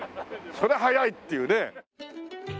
そりゃ早い！っていうね。